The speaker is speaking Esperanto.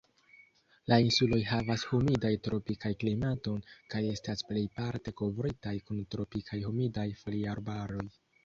La insuloj havas humidan tropikan klimaton, kaj estas plejparte kovritaj kun tropikaj humidaj foliarbaroj.